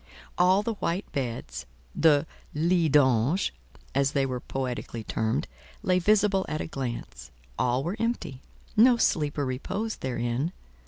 All the white beds—the "lits d'ange," as they were poetically termed—lay visible at a glance; all were empty: no sleeper reposed therein.